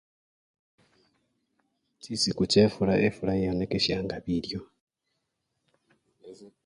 Chisiku chefula, efula yonakisyanga bilyo.